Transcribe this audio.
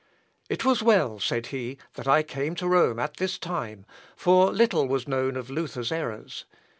"It was well," said he, "that I came to Rome at this time, for little was known of Luther's errors.